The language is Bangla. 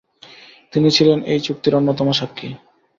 তিনি ছিলেন এই চুক্তির অন্যতম সাক্ষী।